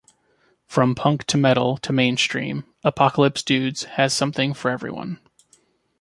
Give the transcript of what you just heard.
From punk to metal to mainstream, "Apocalypse Dudes" has something for everyone.